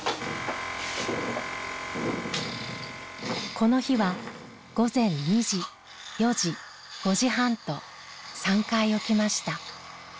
この日は午前２時４時５時半と３回起きました。